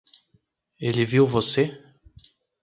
Ele viu você?